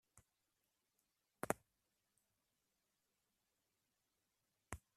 The Best of..." y "The Masters".